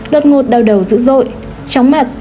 đột ngột đau đầu dữ dội chóng mặt